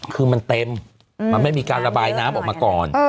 คือมันเต็มมันไม่มีการระบายน้ำออกมาก่อน